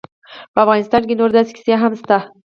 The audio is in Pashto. په افغانستان کې نور داسې کسان هم شته.